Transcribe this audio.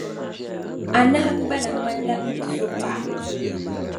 Anahingbana ŋmanla n-tizo paɣa.